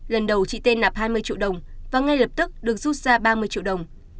lần đầu chị tên nạp hai mươi triệu đồng và ngay lập tức được rút ra ba mươi triệu đồng